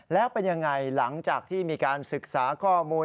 แล้วเป็นยังไงหลังจากที่มีการศึกษาข้อมูล